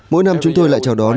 mỗi năm chúng tôi lại chào đón